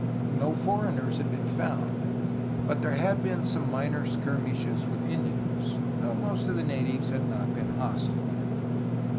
No foreigners had been found, but there had been some minor skirmishes with Indians, though most of the natives had not been hostile.